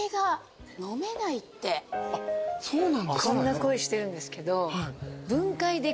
こんな声してるんですけど。